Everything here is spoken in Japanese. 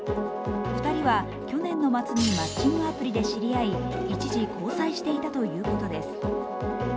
２人は去年の末にマッチングアプリで知り合い一時、交際していたということです